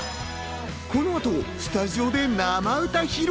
この後スタジオで生歌披露。